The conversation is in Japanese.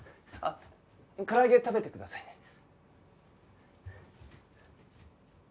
あっ唐揚げ食べてくださいね。